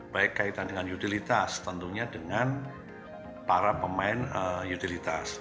baik kaitan dengan utilitas tentunya dengan para pemain utilitas